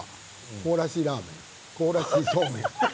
凍らしラーメン、凍らしそうめん。